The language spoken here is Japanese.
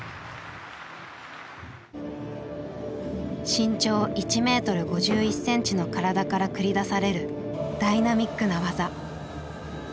身長１ｍ５１ｃｍの体から繰り出されるダイナミックな技。